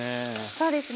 そうですね。